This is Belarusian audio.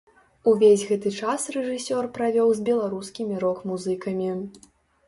Увесь гэты час рэжысёр правёў з беларускімі рок-музыкамі.